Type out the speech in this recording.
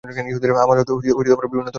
আমানত বিভিন্ন ধরনের হয়ে থাকে।